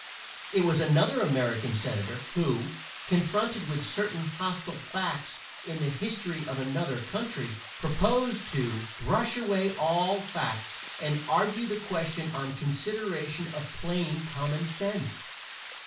It was another American senator who, confronted with certain hostile facts in the history of another country, proposed "to brush away all facts, and argue the question on consideration of plain common sense."